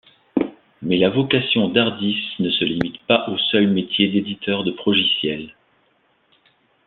Mais la vocation d'Hardis ne se limite pas au seul métier d'éditeur de progiciels.